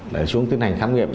để xuống tiến hành khám nghiệm